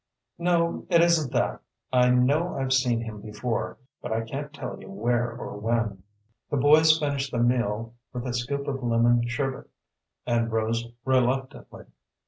"No. It isn't that. I know I've seen him before, but I can't tell you where or when." The boys finished the meal with a scoop of lemon sherbet and rose reluctantly.